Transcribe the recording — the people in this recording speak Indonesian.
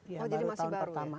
jadi masih baru ya